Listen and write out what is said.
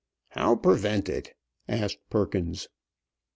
"How prevent it?" asked Perkins.